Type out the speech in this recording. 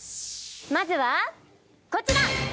まずはこちら！